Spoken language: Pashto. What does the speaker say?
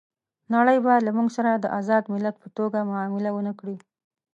نړۍ به له موږ سره د آزاد ملت په توګه معامله ونه کړي.